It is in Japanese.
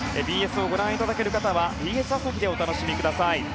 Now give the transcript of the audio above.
ＢＳをご覧いただける方はＢＳ朝日でお楽しみください。